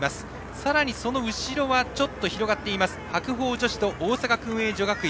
さらに、その後ろはちょっと広がって、白鵬女子と大阪薫英女学院。